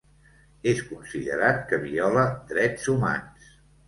És considerat que viola drets humans.